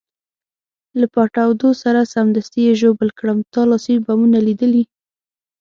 له پټاودو سره سمدستي یې زه ژوبل کړم، تا لاسي بمونه لیدلي؟